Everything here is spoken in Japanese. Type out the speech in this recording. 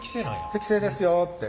適正ですよって。